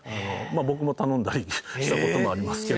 僕も頼んだりした事もありますけど。